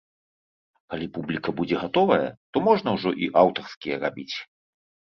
А калі публіка будзе гатовая, то можна ўжо і аўтарскія рабіць.